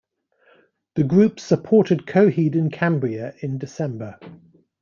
The group supported Coheed and Cambria in December.